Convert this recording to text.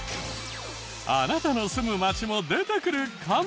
あなたの住む町も出てくるかも！